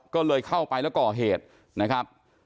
ก็เลยเข้าไปแล้วก่อเหตุนะครับ